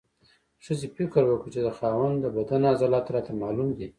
ښځې فکر وکړ چې د خاوند د بدن عضلات راته معلوم دي.